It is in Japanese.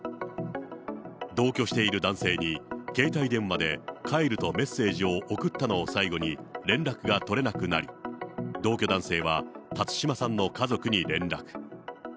同居している男性に、携帯電話で帰るとメッセージを送ったのを最後に連絡が取れなくなり、同居男性は辰島さんの家族に連絡。